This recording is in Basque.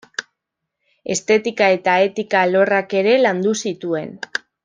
Estetika eta etika alorrak ere landu zituen.